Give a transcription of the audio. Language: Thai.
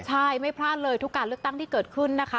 ใช่ไม่พลาดเลยทุกการเลือกตั้งที่เกิดขึ้นนะคะ